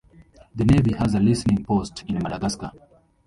The navy has a listening post in Madagascar.